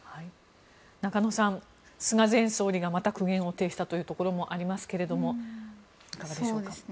中野さん菅前総理がまた苦言を呈したというところもありますがいかがでしょうか。